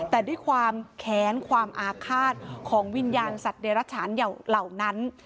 แต่ด้วยความแค้นความอาฆาตของวิญญาณสัตว์เดรัชฉานเหล่านั้น